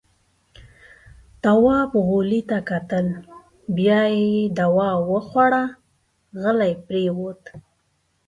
تواب غولي ته کتل. بيا يې دوا وخوړه، غلی پرېووت.